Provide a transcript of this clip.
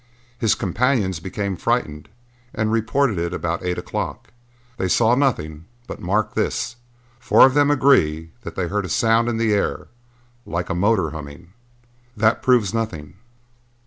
His companions became frightened and reported it about eight o'clock. They saw nothing, but mark this! Four of them agree that they heard a sound in the air like a motor humming." "That proves nothing."